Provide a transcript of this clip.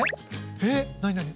えっなになに？